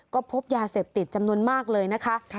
ก็พบยาเสพติดจำนวนมากเลยนะคะ